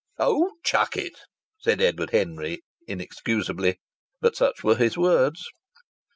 "Oh! chuck it!" said Edward Henry, inexcusably but such were his words.